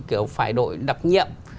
kiểu phải đội đập nhậm